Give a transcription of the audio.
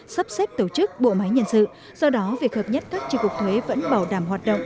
sắp xếp tổ chức bộ máy nhân sự do đó việc hợp nhất các tri cục thuế vẫn bảo đảm hoạt động